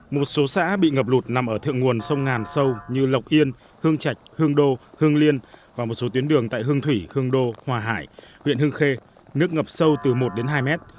một số xã bị ngập lụt nằm ở thượng nguồn sông ngàn sâu như lộc yên hương trạch hương đô hương liên và một số tuyến đường tại hương thủy hương đô hòa hải huyện hương khê nước ngập sâu từ một đến hai mét